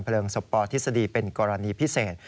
ลิงศพปทฤษฎีเป็นกรณีพิเศษ